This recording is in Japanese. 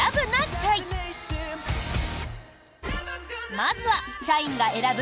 まずは社員が選ぶ